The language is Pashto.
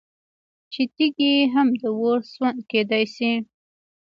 چې تيږي هم د اور سوند كېدى شي